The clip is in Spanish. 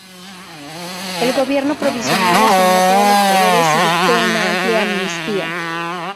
El Gobierno provisional asumió todos los poderes y dictó una amplia amnistía.